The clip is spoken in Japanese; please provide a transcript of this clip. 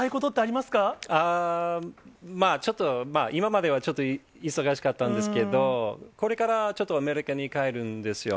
まあちょっと、今まではちょっと忙しかったんですけど、これからちょっと、アメリカに帰るんですよ。